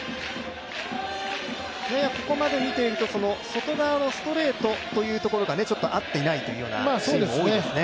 ここまで見ていると、外側のストレートがちょっと合っていないというようなシーンが多いですね。